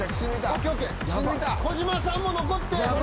小島さんも残って！